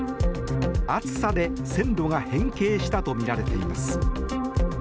暑さで線路が変形したとみられています。